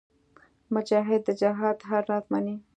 مجاهد د جهاد هر راز منې.